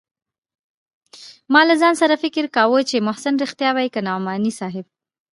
ما له ځان سره فکر کاوه چې محسن رښتيا وايي که نعماني صاحب.